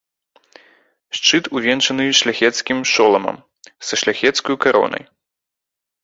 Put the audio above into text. Шчыт увянчаны шляхецкім шоламам са шляхецкаю каронай.